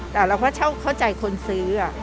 แต่เราก็เข้าใจคนซื้อ